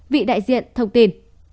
vì đại diện thông tin